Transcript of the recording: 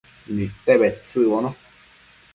Nidte bedtsëcbono